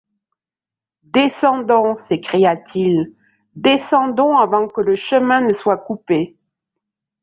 Descendons! s’écria-t-il, descendons avant que le chemin ne soit coupé !